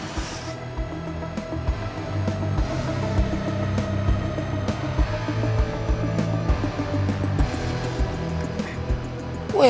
gue mau ke kamar